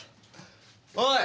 おい！